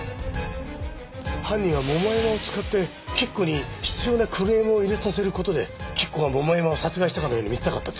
犯人は桃山を使って菊子に執拗なクレームを入れさせる事で菊子が桃山を殺害したかのように見せたかった。